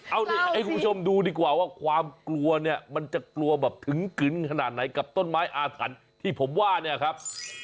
เอานี่ให้คุณผู้ชมดูดีกว่าว่าความกลัวเนี่ยมันจะกลัวแบบถึงกึนขนาดไหนกับต้นไม้อาถรรพ์ที่ผมว่าเนี่ยครับ